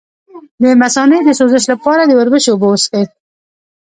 د مثانې د سوزش لپاره د وربشو اوبه وڅښئ